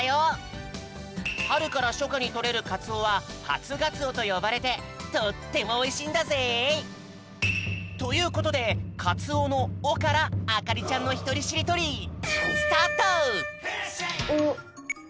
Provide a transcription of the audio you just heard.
はるからしょかにとれるかつおは「はつがつお」とよばれてとってもおいしいんだぜい！ということでかつおの「お」からあかりちゃんのひとりしりとりおお。